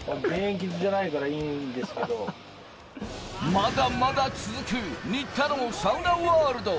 まだまだ続く新田のサウナーワールド。